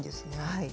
はい。